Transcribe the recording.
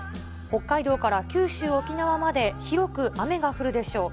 北海道から九州、沖縄まで広く雨が降るでしょう。